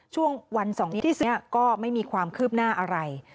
ช่วงวัน๒นี้ก็ไม่มีความเคลือบหน้าอะไร